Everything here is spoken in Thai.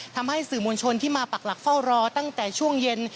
ทำให้สื่อมวลชนที่มาปักหลักเฝ้ารอตั้งแต่ช่วงเย็น